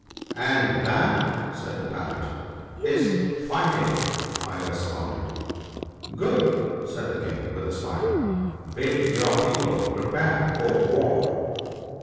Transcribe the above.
" And that ?' said the Parrot. ' Is fighting !' I responded. ' Good !' said the King, with a smile ;' bid your people prepare for war.'